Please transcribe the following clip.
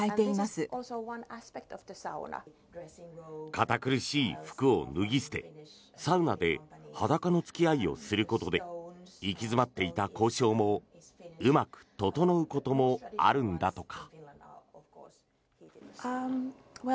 堅苦しい服を脱ぎ捨てサウナで裸の付き合いをすることで行き詰まっていた交渉もうまくととのうこともあるんだとか。